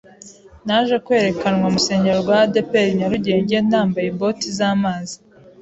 Naje kwerekanwa mu rusengero rwa ADEPR Nyarugenge nambaye Boti z’amazi,